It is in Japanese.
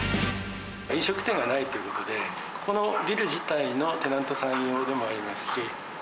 飲食店がないということで、このビル自体のテナントさん用でもありますし。